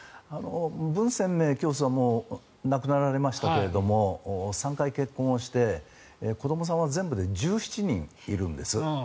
ブン・センメイ教祖は亡くなられましたけれども３回結婚をして、子どもさんは全部で１７人いるんです。